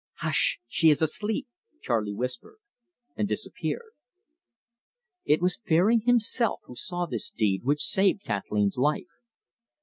"Hush she is asleep!" Charley whispered, and disappeared. It was Fairing himself who saw this deed which saved Kathleen's life.